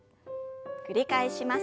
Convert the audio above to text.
繰り返します。